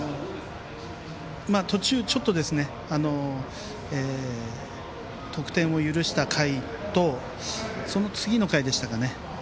途中、ちょっと得点を許した回とその次の回でしたかね。